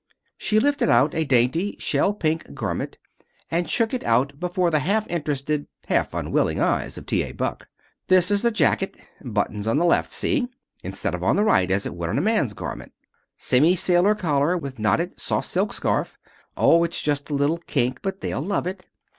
She lifted out a dainty, shell pink garment, and shook it out before the half interested, half unwilling eyes of T. A. Buck. "This is the jacket. Buttons on the left; see? Instead of the right, as it would in a man's garment. Semi sailor collar, with knotted soft silk scarf. Oh, it's just a little kink, but they'll love it.